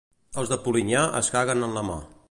Els de Polinyà es caguen en la mà.